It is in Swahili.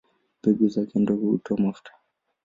Mbegu zake ndogo hutoa mafuta.